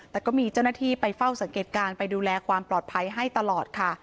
แต่ก็มีเจ้าหน้าที่ไปเฝ้าสังเกตการณ์ไปดูแลความปลอดภัยให้ตลอดค่ะ